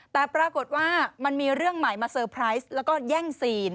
แต่ปรากฏว่ามันมีเรื่องใหม่มาเซอร์ไพรส์แล้วก็แย่งซีน